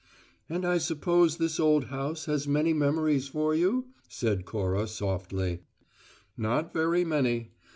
"And I suppose this old house has many memories for you?" said Cora, softly. "Not very many.